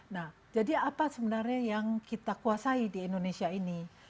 nah jadi apa sebenarnya yang kita kuasai di indonesia ini